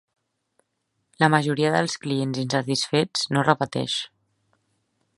La majoria dels clients insatisfets no repeteix.